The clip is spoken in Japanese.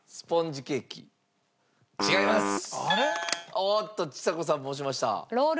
おっとちさ子さんも押しました。